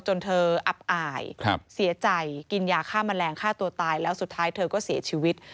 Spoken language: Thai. จนเธออับอายเสียใจกินยาฆ่าแมลงฆ่าตัวตายแล้วสุดท้ายเธอก็เสียชีวิต